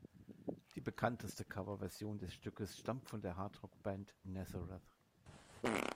Die bekannteste Coverversion des Stückes stammt von der Hardrock-Band Nazareth.